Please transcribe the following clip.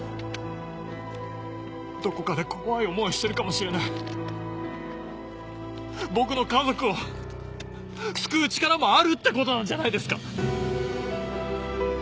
どこかで怖い思いをしてるかもしれない僕の家族を救う力もあるってことなんじゃないですか